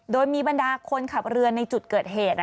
โดยมีบรรดาคนขับเรือในจุดเกิดเหตุ